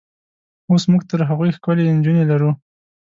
اوس موږ تر هغوی ښکلې نجونې لرو.